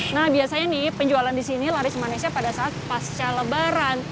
nah biasanya nih penjualan di sini laris manisnya pada saat pasca lebaran